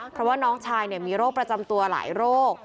เพราะว่าน้องชายมีโรคประจำตัวหลายโรค